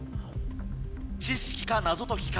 知識か謎解きか